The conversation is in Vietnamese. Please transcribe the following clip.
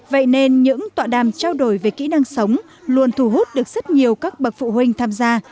vậy nên những tọa đàm trao đổi về kỹ năng sống luôn thu hút được rất nhiều các bậc phụ huynh tham gia